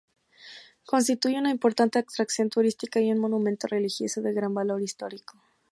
Constituye una importante atracción turística y un monumento religioso de gran valor histórico.